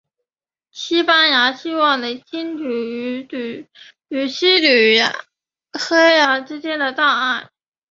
西班牙希望能清除与西属荷兰之间的障碍。